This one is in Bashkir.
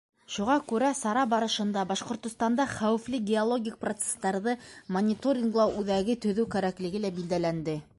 Шуға күрә сара барышында Башҡортостанда хәүефле геологик процестарҙы мониторинглау үҙәге төҙөү кәрәклеге лә билдәләнде.